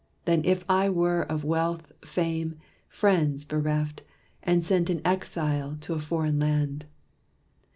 Than if I were of wealth, fame, friends, bereft, And sent an exile to a foreign land."